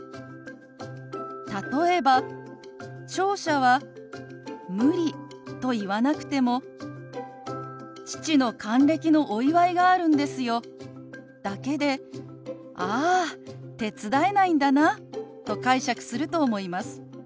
例えば聴者は「無理」と言わなくても「父の還暦のお祝いがあるんですよ」だけで「ああ手伝えないんだな」と解釈すると思います。